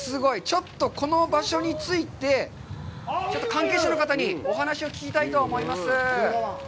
ちょっとこの場所について、関係者の方にお話を聞きたいと思います。